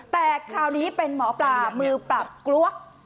แต่คราวนี้เป็นหมอปลามือปราบกลวก